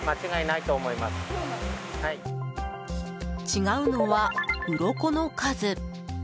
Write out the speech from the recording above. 違うのは、うろこの数。